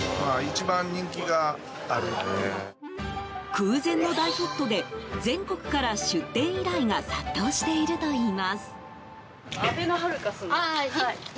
空前の大ヒットで全国から出店依頼が殺到しているといいます。